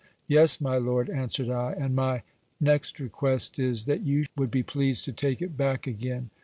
Yes, my lord, answered I ; and my next request is, that you would be pleased to take it back again.